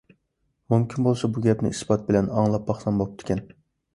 مۇمكىن بولسا، بۇ گەپنى ئىسپات بىلەن ئاڭلاپ باقسام بوپتىكەن.